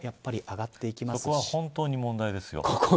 ここは本当に問題ですよ。